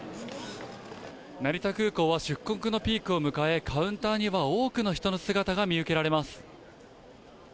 成田空港は出国のピークを迎え、カウンターには多くの人の姿が見受けられます。